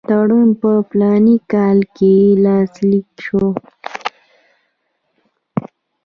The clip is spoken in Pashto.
تړون په فلاني کال کې لاسلیک شو.